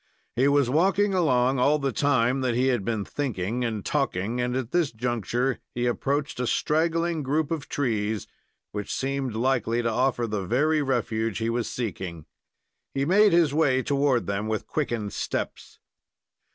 He was walking along all the time that he had been thinking and talking, and, at this juncture, he approached a straggling group of trees, which seemed likely to offer the very refuge he was seeking. He made his way toward them with quickened steps.